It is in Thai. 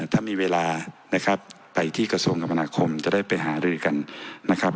ถ้ามีเวลานะครับไปที่กระทรวงกรรมนาคมจะได้ไปหารือกันนะครับ